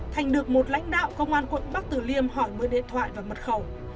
thành được một lãnh đạo công an quận bắc tử liêm hỏi mưa điện thoại và mật khẩu